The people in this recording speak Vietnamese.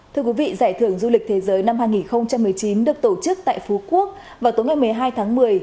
thưa quý vị giải thưởng du lịch thế giới năm hai nghìn một mươi chín được tổ chức tại phú quốc vào tối ngày một mươi hai tháng một mươi